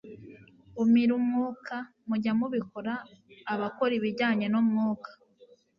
umire umwuka, mujya mu bikora abakora ibijyanye n'umwuka